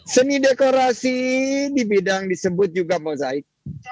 seni dekorasi di bidang disebut juga mosaik